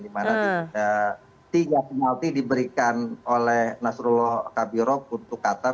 dimana tiga penalti diberikan oleh nasrullah kabirov untuk qatar